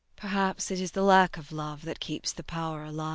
] Perhaps it is the lack of love that keeps the power alive.